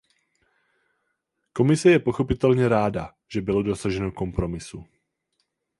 Komise je pochopitelně ráda, že bylo dosaženo kompromisu.